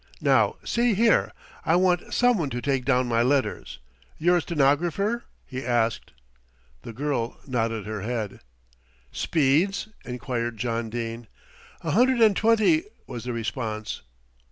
Now see here, I want someone to take down my letters. You're a stenographer?" he asked. The girl nodded her head. "Speeds?" enquired John Dene. "A hundred and twenty " was the response.